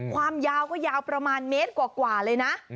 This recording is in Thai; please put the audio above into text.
ความยาวก็ยาวประมาณเมตรกว่าเลยนะ